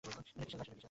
এটা কিসের লাশ?